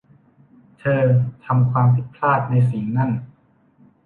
เธอทำความผิดพลาดในสิ่งนั่น